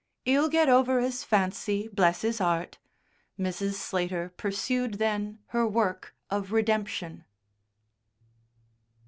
"'E'll get over 'is fancy, bless 'is 'eart." Mrs. Slater pursued then her work of redemption.